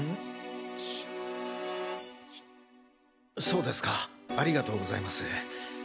そうですかありがとうございます。